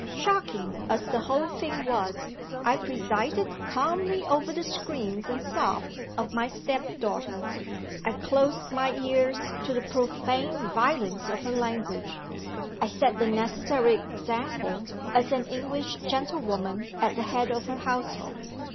Shocking as the whole thing was, I presided calmly over the screams and sobs of my step daughter. I closed my ears to the profane violence of her language. I set the necessary example, as an English gentlewoman at the head of her household.